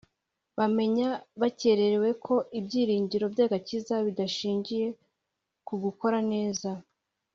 Bamenya bakerewe ko ibyiringiro by'agakiza bidashingira ku gukora neza.